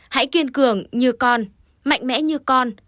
hãy kiên cường như con mạnh mẽ như con